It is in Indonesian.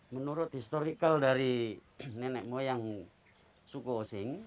menurut historical dari nenek moyang suku osing